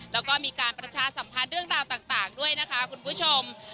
แล้วก็มีการประชาสัมพันธ์เรื่องราวต่างด้วยนะคะคุณผู้ชม